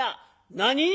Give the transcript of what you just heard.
「何？